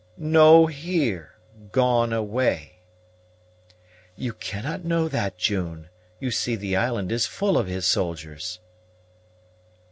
"No here; gone away." "You cannot know that, June; you see the island is full of his soldiers."